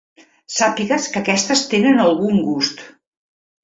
Sàpigues que aquestes tenen algun gust.